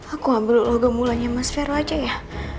aku ambil logam mulanya mas vero aja ya